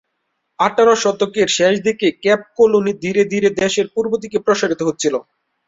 আঠারো শতকের শেষদিকে Cape colony ধীরে ধীরে দেশের পূর্ব দিকে প্রসারিত হচ্ছিল।